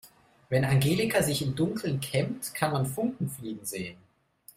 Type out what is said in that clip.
Wenn Angelika sich im Dunkeln kämmt, kann man Funken fliegen sehen.